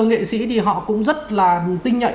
nghệ sĩ thì họ cũng rất là tinh nhạy